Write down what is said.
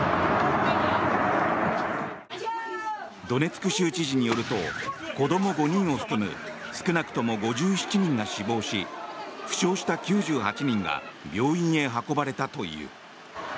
ドネツク州知事によると子ども５人を含む少なくとも５７人が死亡し負傷した９８人が病院へ運ばれたという。